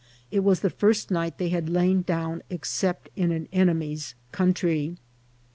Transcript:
It was the first night they had lain down except in an enemy's country.